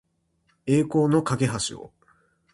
栄光の架橋を